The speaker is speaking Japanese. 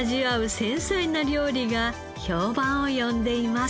繊細な料理が評判を呼んでいます。